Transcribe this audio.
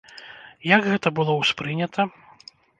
Як гэта было ўспрынята?